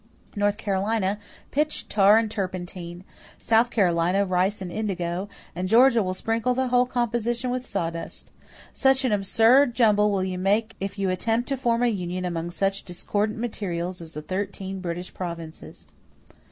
North Carolina, pitch, tar, and turpentine. South Carolina, rice and indigo, and Georgia will sprinkle the whole composition with sawdust. Such an absurd jumble will you make if you attempt to form a union among such discordant materials as the thirteen British provinces."